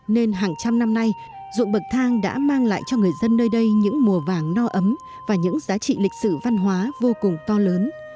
nên hàng trăm năm nay ruộng bậc thang đã mang lại cho người dân nơi đây những mùa vàng no ấm và những giá trị lịch sử văn hóa vô cùng to lớn